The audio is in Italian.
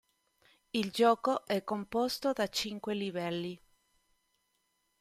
Il gioco è composto da cinque livelli.